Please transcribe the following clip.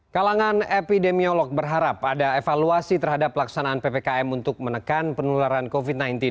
kalangan epidemiolog berharap ada evaluasi terhadap pelaksanaan ppkm untuk menekan penularan covid sembilan belas